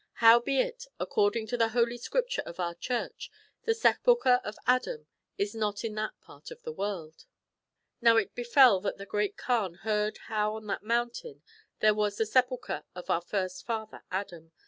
Howbeit, according to the Holy Scripture of our Church, the sepulchre of Adam is not in that part of the world. Now it befel that the Great Kaan heard how on that mountain there was the sepulchre of our first father Adam